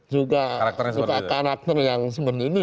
juga karakternya seperti itu